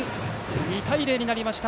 ２対０になりました。